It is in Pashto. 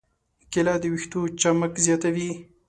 کېله د ویښتو چمک زیاتوي.